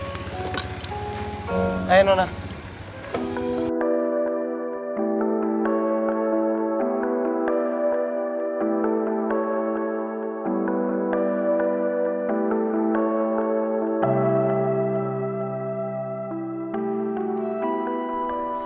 si faril emang selalu baik dan mengertiin banget sama gue